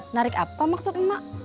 narik apa maksud mak